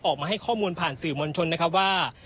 ออกมาให้ข้อมูลผ่านสื่อมวลชนนะครับว่า